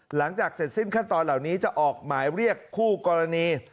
หลังจากเสร็จสิ้นขั้นตอนเหล่านี้จะออกหมายเรียกคู่กรณี